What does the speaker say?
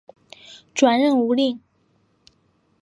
转任吴令。